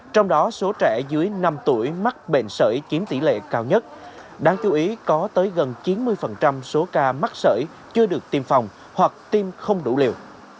trong đó số trẻ dưới năm tuổi mắc bệnh sởi chiếm tỷ lệ cao nhất đáng chú ý có tới gần chín mươi số ca mắc sởi chưa được tiêm phòng hoặc tiêm không đủ liều